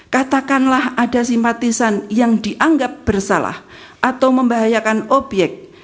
katakanlah ada simpatisan yang dianggap bersalah atau membahayakan obyek